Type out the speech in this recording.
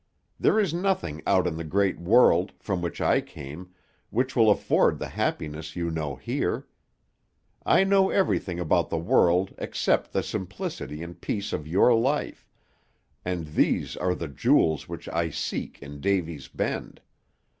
There is nothing out in the great world, from which I came, which will afford the happiness you know here. I know everything about the world except the simplicity and peace of your life, and these are the jewels which I seek in Davy's Bend.